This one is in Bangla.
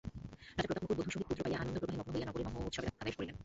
রাজা প্রতাপমুকুট বধূসহিত পুত্র পাইয়া আনন্দপ্রবাহে মগ্ন হইয়া নগরে মহোৎসবের আদেশ করিলেন।